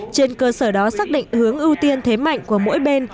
trên cơ sở đó xác định hướng ưu tiên thế mạnh của mỗi bên